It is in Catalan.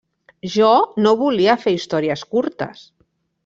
Jo no volia fer històries curtes.